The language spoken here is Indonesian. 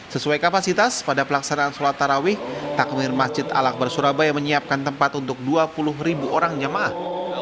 sesuai kapasitas pada pelaksanaan sholat tarawih takmir masjid al akbar surabaya menyiapkan tempat untuk dua puluh ribu orang jamaah